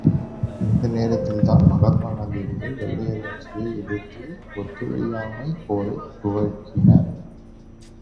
இந்த நேரத்தில்தான், மகாத்மா காந்தியடிகள் வெள்ளையராட்சியை எதிர்த்து ஒத்துழையாமைப் போரைத் துவக்கினார்.